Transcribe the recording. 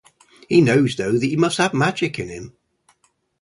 He knows though that he must have magic in him.